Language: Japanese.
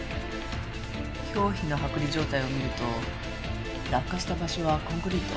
表皮の剥離状態を見ると落下した場所はコンクリート？